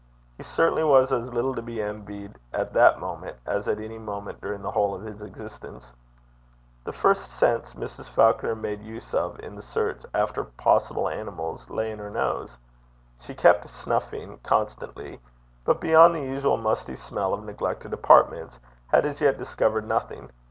He certainly was as little to be envied at that moment as at any moment during the whole of his existence. The first sense Mrs. Falconer made use of in the search after possible animals lay in her nose. She kept snuffing constantly, but, beyond the usual musty smell of neglected apartments, had as yet discovered nothing.